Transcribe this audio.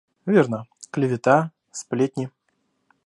Верно, клевета, сплетни.